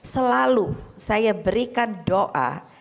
selalu saya berikan doa